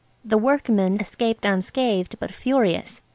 The workman escaped unscathed but furious.